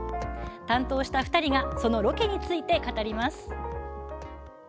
担当した２人がそのロケについて語ります。